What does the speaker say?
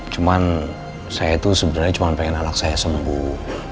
cuman saya itu sebenarnya cuma pengen anak saya sembuh